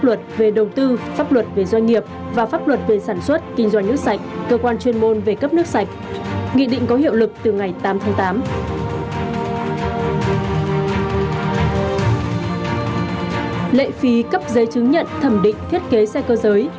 lệ phí cấp giấy chứng nhận thẩm định thiết kế xe cơ giới